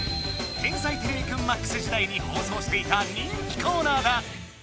「天才てれびくんＭＡＸ」時代に放送していた人気コーナーだ！